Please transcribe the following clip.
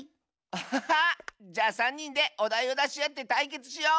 アハハ！じゃあさんにんでおだいをだしあってたいけつしよう！